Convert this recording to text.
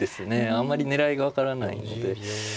あんまり狙いが分からないので。